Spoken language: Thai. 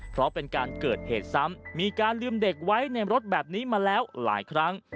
เพราะเป็นการเกิดเหตุซ้ำมีการลืมเด็กไว้ในรถแบบนี้มาแล้วหลายครั้ง